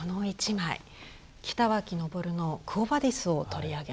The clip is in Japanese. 北脇昇の「クォ・ヴァディス」を取り上げます。